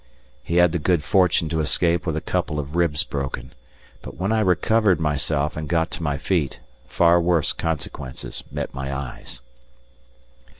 He had the good fortune to escape with a couple of ribs broken, but when I recovered myself and got to my feet, far worse consequences met my eyes.